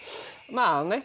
まあね。